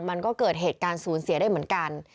มันก็เกิดเหตุการณ์สูญเสียได้เหมือนกัน